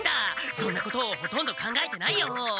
そんなことほとんど考えてないよ！